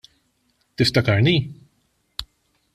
Tiftakarni?